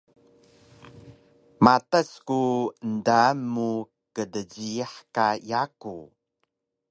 Matas ku endaan mu kdjiyax ka yaku